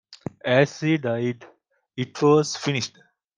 As he died, it was finished.